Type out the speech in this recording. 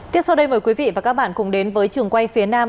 tiếp sau đây mời quý vị và các bạn cùng đến với trường quay phía nam